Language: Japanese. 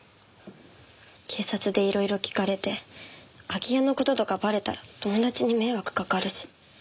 警察でいろいろ聞かれて空き家の事とかバレたら友達に迷惑かかるし。